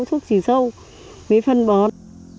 không phải tiếp xúc với thuốc trừ sâu với phân bón